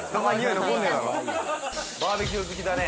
バーベキュー好きだね。